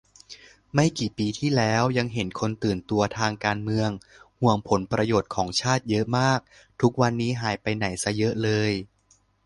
ไม่กี่ปีที่แล้วยังเห็นคนตื่นตัวทางการเมือง ห่วงผลประโยชน์ของชาติเยอะมาก ทุกวันนี้หายไปไหนซะเยอะเลย